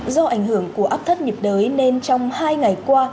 do ảnh hưởng của áp thấp nhiệt đới nên trong hai ngày qua